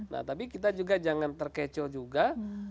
nah tapi kita juga jangan terkecoh juga